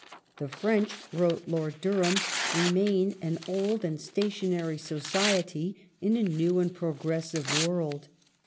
"The French," wrote Lord Durham, " remain an old and stationary society in a new and pro gressive world.